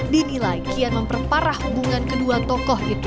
dinilai kian memperparah hubungan kedua tokoh itu